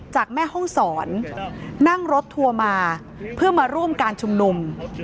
แม่ห้องศรนั่งรถทัวร์มาเพื่อมาร่วมการชุมนุม